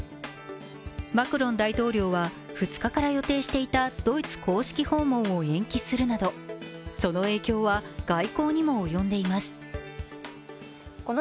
マクロン大統領は２日から予定していたドイツ公式訪問を延期するなどその影響は、外交にも及んでいます